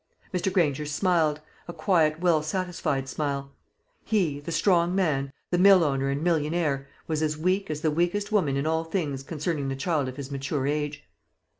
Mr. Granger smiled, a quiet well satisfied smile. He, the strong man, the millowner and millionaire, was as weak as the weakest woman in all things concerning the child of his mature age.